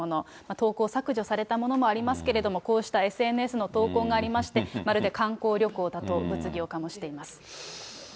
投稿削除されたものもありますけれども、こうしたＳＮＳの投稿がありまして、まるで観光旅行だと物議を醸しています。